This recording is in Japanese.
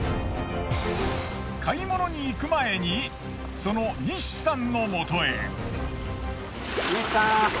買い物に行く前にその西さん。